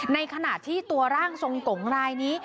ในขณะที่ตัวร่างทรงกงรายนี้